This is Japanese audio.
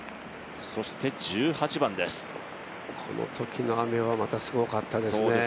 このときの雨は、またすごかったですね。